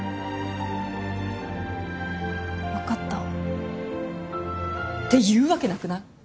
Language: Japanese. わかった。って言うわけなくない？